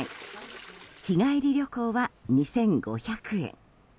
日帰り旅行は２５００円。